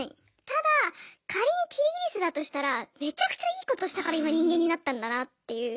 ただ仮にキリギリスだとしたらめちゃくちゃいいことしたから今人間になったんだなっていう。